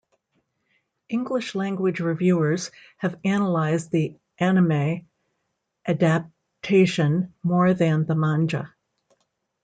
English-language reviewers have analysed the anime adaptation more than the manga.